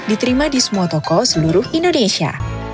diterima di semua toko seluruh indonesia